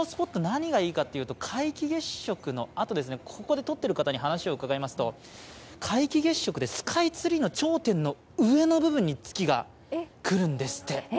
何がいいかといいますと皆既月食のあと、ここで撮っている方に話を伺いますと皆既月食でスカイツリーの頂点の上の部分に月が来るんですって。